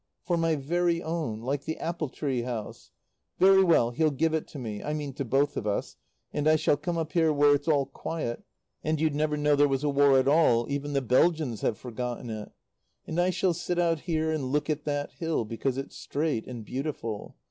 "For my very own. Like the apple tree house. Very well, he'll give it to me I mean to both of us and I shall come up here where it's all quiet and you'd never know there was a war at all even the Belgians have forgotten it. And I shall sit out here and look at that hill, because it's straight and beautiful.